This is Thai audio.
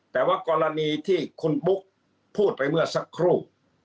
แต่ว่ากรณีที่คุณปุ๊กพูดไปเมื่อสักครู่